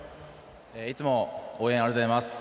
いつも応援ありがとうございます。